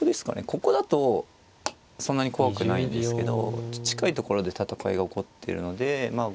ここだとそんなに怖くないんですけど近いところで戦いが起こってるのでまあ